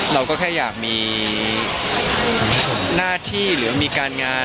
เราก็แค่อยากมีหน้าที่หรือมีการงาน